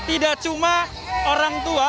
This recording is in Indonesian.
tidak cuma orang tua